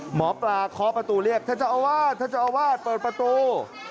หมอปลาขอประตูเรียกเจ้าอวาดเจ้าอวาดเปิดประตู